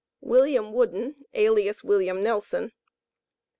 WILLIAM WOODEN, alias WILLIAM NELSON.